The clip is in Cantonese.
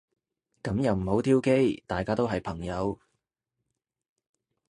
噉又唔好挑機。大家都係朋友